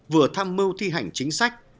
vừa tham mưu thi hành chính sách